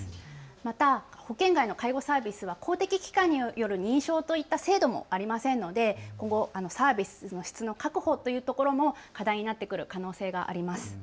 また保険外の介護サービスは公的機関による認証といった制度もありませんので今後、サービスの質の確保というところも課題になってくる可能性があります。